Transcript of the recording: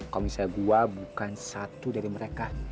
kalau misalnya gue bukan satu dari mereka